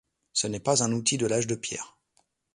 Ce n’est pas un outil de l’âge de pierre !